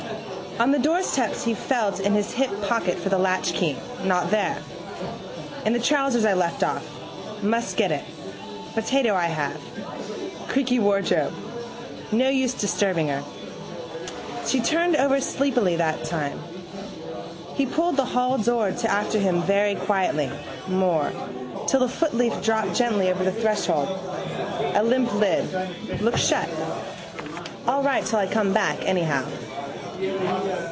On the doorstep he felt in his hip pocket for the latchkey. Not there. In the trousers I left off. Must get it. Potato I have. Creaky wardrobe. No use disturbing her. She turned over sleepily that time. He pulled the halldoor to after him very quietly, more, till the footleaf dropped gently over the threshold, a limp lid. Looked shut. All right till I come back anyhow.